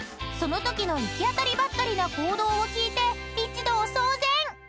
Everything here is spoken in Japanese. そのときの行き当たりばったりな行動を聞いて一同騒然！］